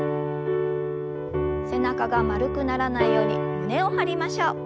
背中が丸くならないように胸を張りましょう。